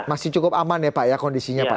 masih cukup aman ya pak ya kondisinya pak